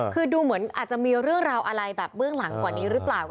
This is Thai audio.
คือดูเหมือนอาจจะมีเรื่องราวอะไรแบบเบื้องหลังกว่านี้หรือเปล่า